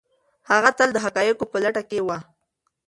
هغه تل د حقایقو په لټه کي و.